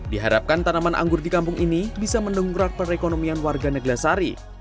diharapkan tanaman anggur di kampung ini bisa mendengkurat perekonomian warga neglasari